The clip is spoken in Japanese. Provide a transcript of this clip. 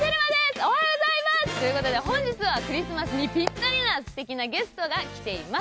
おはようございます！ということで本日はクリスマスにぴったりなステキなゲストが来ています。